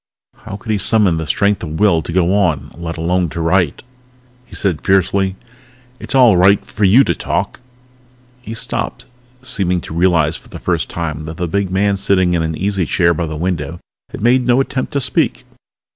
How could he summon the strength of will to go on, let alone to write? He said fiercely, "It's all right for you to talk " He stopped, seeming to realize for the first time that the big man sitting in an easy chair by the window had made no attempt to speak.